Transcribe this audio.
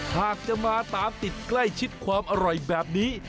หากจะมาตามติดใกล้ชิดความอร่อยแบบนี้